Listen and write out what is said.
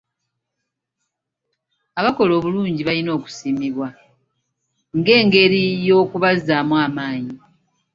Abakola obulungi balina okusiimibwa ng'engeri y'okubazzaamu amaanyi.